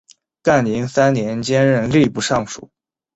干宁三年兼任吏部尚书。